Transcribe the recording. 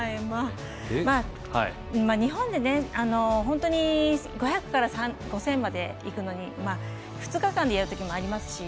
日本で、本当に５００から５０００までいくのに２日間でやるときもあります